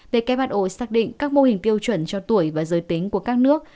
who xác định các mô hình tiêu chuẩn cho tuổi và giới tính của các nước